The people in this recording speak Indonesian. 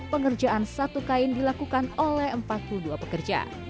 pengerjaan satu kain dilakukan oleh empat puluh dua pekerja